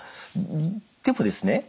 でもですね